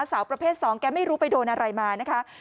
สาวประเภท๒แกไม่รู้ไปโดนอะไรมานะคะ